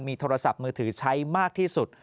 โทรศัพท์มือถือใช้มากที่สุด